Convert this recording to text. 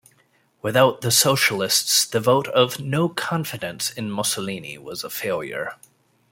Without the socialists the vote of no 'confidence' in Mussolini was a failure.